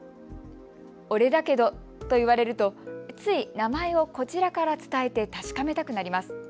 オレだけどと言われるとつい名前をこちらから伝えて確かめたくなります。